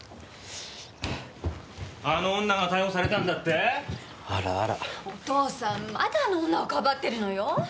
あの女が逮捕されたんだって⁉あらあらお父さんまだあの女をかばってるのよ